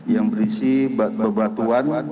yang berisi batuan